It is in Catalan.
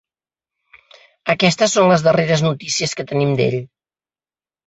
Aquestes són les darreres notícies que tenim d'ell.